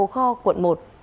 kho quận một